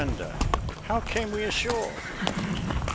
How came we ashore?